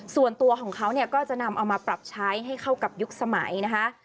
ส่วนตัวของเขาเนี่ยก็จะนำเอามาปรับใช้ให้เข้ากับยุคสมัยนะคะ